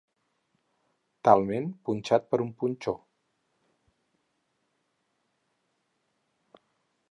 Talment punxat per un punxó.